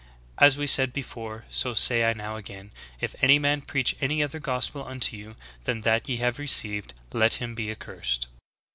As we said before, so say I now again, If any man preach any other gospel unto you than that ye have received, let him be accursed.